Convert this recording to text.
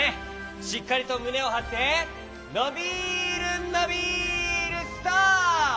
しっかりとむねをはってのびるのびるストップ！